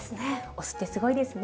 お酢ってすごいですね。